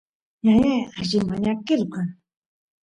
ñañay alli mañakilu kan